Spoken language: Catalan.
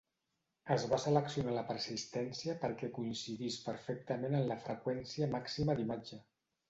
Es va seleccionar la persistència perquè coincidís perfectament amb la freqüència màxima d'imatge.